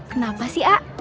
kenapa sih a